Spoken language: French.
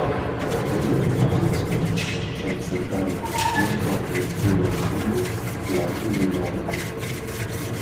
«Voyez, disaient-ils, comme cette âme longtemps vautrée dans le fumier plane aisément dans l'azur.